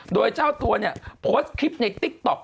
โดยเจ้าตัวเนี่ยโพสต์คลิปในติ๊กต๊อก